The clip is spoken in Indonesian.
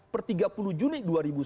per tiga puluh juni dua ribu sembilan belas